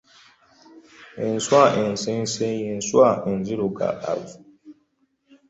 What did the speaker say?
Ensuwa ensese ye nsuwa enzirugaalirivu.